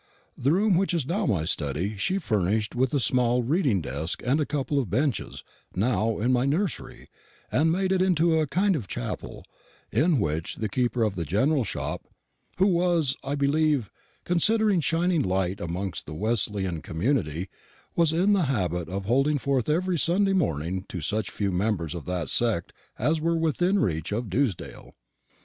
The room which is now my study she furnished with a small reading desk and a couple of benches, now in my nursery, and made it into a kind of chapel, in which the keeper of the general shop who was, I believe, considered a shining light amongst the Wesleyan community was in the habit of holding forth every Sunday morning to such few members of that sect as were within reach of Dewsdale.